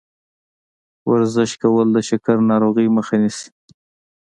ورزش کول د شکرې ناروغۍ مخه نیسي.